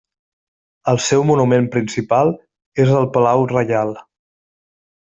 El seu monument principal és el palau reial.